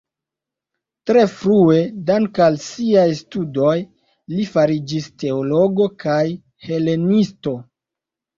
Tre frue, dank'al siaj studoj, li fariĝis teologo kaj helenisto.